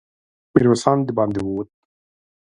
ميرويس خان د باندې ووت.